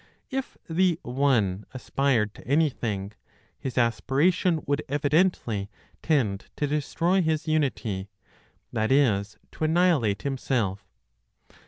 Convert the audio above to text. If the One aspired to anything, His aspiration would evidently tend to destroy His unity, that is, to annihilate Himself.